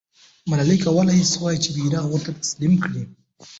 ملالۍ کولای سوای چې بیرغ ورته تسلیم کړي.